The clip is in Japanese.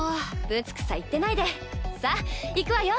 ぶつくさ言ってないでさあ行くわよ。